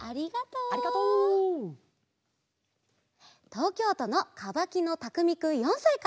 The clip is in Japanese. とうきょうとのかばきのたくみくん４さいから。